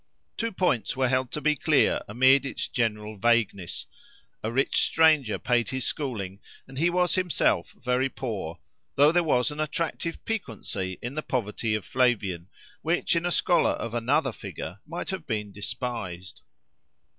Two points were held to be clear amid its general vagueness—a rich stranger paid his schooling, and he was himself very poor, though there was an attractive piquancy in the poverty of Flavian which in a scholar of another figure might have been despised.